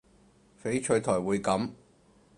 翡翠台會噉